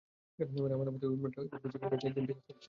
মানে, আমার মতে, ঐ উন্মাদটা এদের পিছে লেগে একদম ঠিক কাজ করেছে।